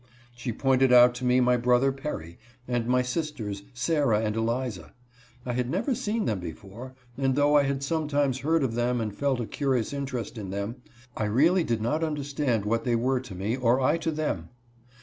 She pointed out to me my brother Perry, and my sisters, Sarah and Eliza. I had never seen them before, and though I had sometimes heard of them and felt a curious interest in them, I really did not understand what they were to me or I to them.